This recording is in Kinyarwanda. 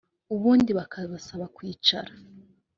ubundi bakabasaba kwicara